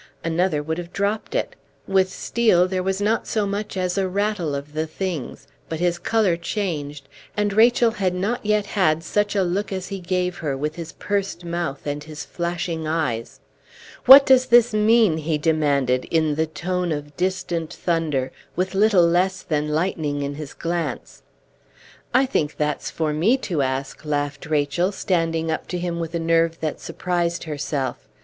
Another would have dropped it; with Steel there was not so much as a rattle of the things, but his color changed, and Rachel had not yet had such a look as he gave her with his pursed mouth and his flashing eyes. "What does this mean?" he demanded, in the tone of distant thunder, with little less than lightning in his glance. "I think that's for me to ask," laughed Rachel, standing up to him with a nerve that surprised herself.